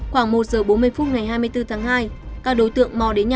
khoảng một h bốn mươi phút ngày hai mươi bốn tháng hai các đối tượng mò điện thoại